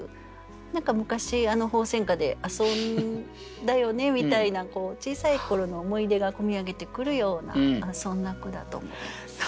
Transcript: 何か昔あの鳳仙花で遊んだよねみたいな小さい頃の思い出が込み上げてくるようなそんな句だと思います。